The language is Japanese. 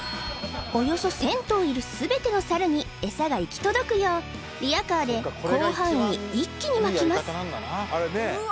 およそ１０００頭いるすべてのサルにエサが行き届くようリヤカーで広範囲一気にまきます